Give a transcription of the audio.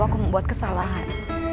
aku membuat kesalahan